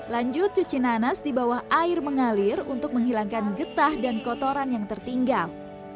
lanjut cuci nanas di bawah air mengalir untuk menghilangkan getah dan kotoran yang tertinggal